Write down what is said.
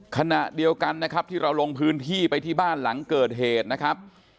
ขณะเดียวกันนะครับที่เราลงพื้นที่ไปที่บ้านหลังเกิดเหตุนะครับ